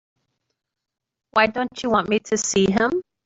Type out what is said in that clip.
Why don't you want me to see him?